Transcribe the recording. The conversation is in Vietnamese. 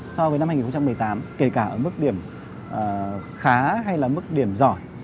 so với năm hai nghìn một mươi tám kể cả ở mức điểm khá hay là mức điểm giỏi